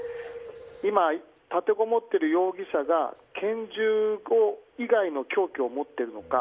今、立てこもっている容疑者が拳銃以外の凶器を持っているのか。